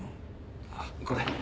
あっこれ。